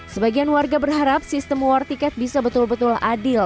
sebagian warga berharap sistem war tiket bisa betul betul adil